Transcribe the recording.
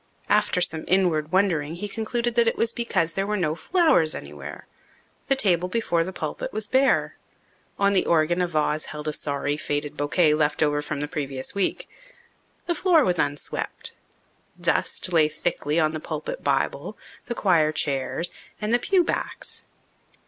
After some inward wondering he concluded that it was because there were no flowers anywhere. The table before the pulpit was bare. On the organ a vase held a sorry, faded bouquet left over from the previous week. The floor was' unswept. Dust lay thickly on the pulpit Bible, the choir chairs, and the pew backs.